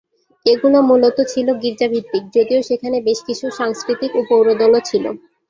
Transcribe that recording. এগুলো মূলত ছিল গির্জা-ভিত্তিক, যদিও সেখানে বেশকিছু সাংস্কৃতিক ও পৌর দলও ছিল।